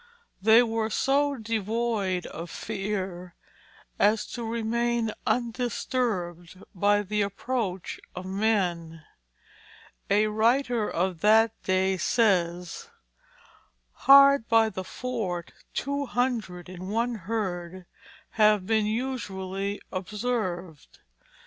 They were so devoid of fear as to remain undisturbed by the approach of men; a writer of that day says: "Hard by the Fort two hundred in one herd have been usually observed."